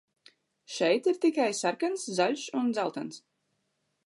Šeit ir tikai sarkans, zaļš un dzeltens.